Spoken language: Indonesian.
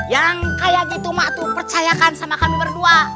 yang kaya gitu ma itu percayakan sama kami berdua